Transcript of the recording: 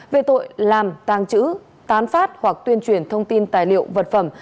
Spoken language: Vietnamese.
về tội làm tàng trữ tán phát hoặc tuyên truyền thông tin tài liệu vật phẩm